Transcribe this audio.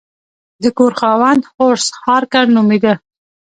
د کور خاوند هورس هارکر نومیده.